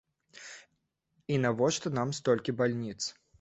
І навошта нам столькі бальніц?